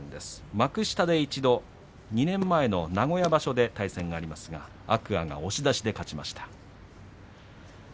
幕下で一度２年前の名古屋場所で対戦がありましたが天空海が押し出して勝ちました。